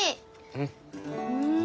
うん。